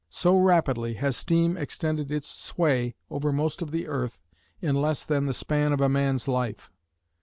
So rapidly has steam extended its sway over most of the earth in less than the span of a man's life.